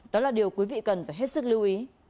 đó là điều quý vị cần phải hết sức lưu ý